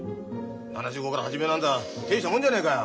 ７５から始めるなんざ大したもんじゃねえかよ。